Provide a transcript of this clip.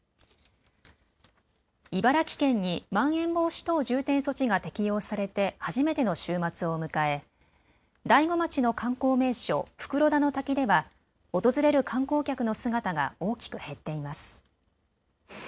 茨城県にまん延防止等重点措置が適用されて初めての週末を迎え大子町の観光名所、袋田の滝では訪れる観光客の姿が大きく減っています。